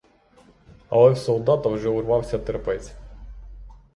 Але в солдата вже урвався терпець.